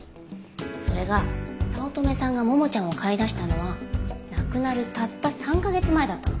それが早乙女さんがももちゃんを飼いだしたのは亡くなるたった３カ月前だったの。